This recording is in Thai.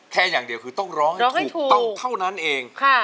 แค่อย่างเดียวคือต้องร้องให้ถูกต้องเท่านั้นเอง